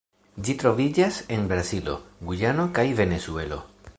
Ĝi troviĝas en Brazilo, Gujano kaj Venezuelo.